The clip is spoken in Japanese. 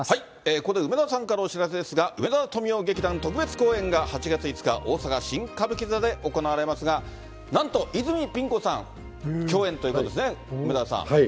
ここで梅沢さんからお知らせですが、梅沢富美男劇団特別公演が８月５日、大阪新歌舞伎座で行われますが、なんと泉ピン子さん共演ということですね、梅沢さん。